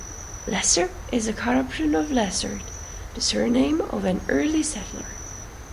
Lessor is a corruption of Lessard, the surname of an early settler.